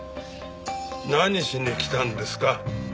何しに来たんですか？